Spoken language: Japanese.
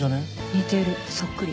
似てるそっくり。